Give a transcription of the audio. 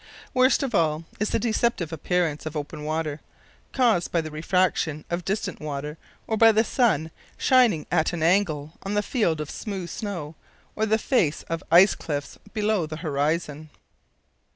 Worst of all is the deceptive appearance of open water, caused by the refraction of distant water, or by the sun shining at an angle on a field of smooth snow or the face of ice cliffs below the horizon."